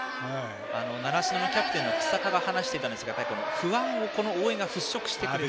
習志野のキャプテンの日下が話していたんですが不安をこの応援が払拭してくれる。